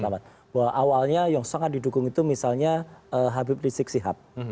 bahwa awalnya yang sangat didukung itu misalnya habib rizik sihab